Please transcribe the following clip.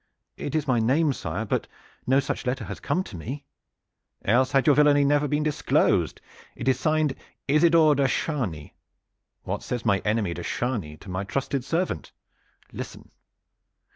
"It is my name, sire; but no such letter has come to me." "Else had your villainy never been disclosed. It is signed 'Isidore de Chargny'. What says my enemy de Chargny to my trusted servant? Listen!